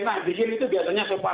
nah bikin itu biasanya sopan pak